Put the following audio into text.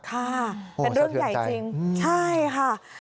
ค่ะเป็นเรื่องใหญ่จริงใช่ค่ะ